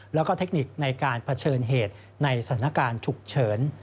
แล้วก็เทคนิคในการเผชิญเหตุในสถานการณ์ฉุกเฉิน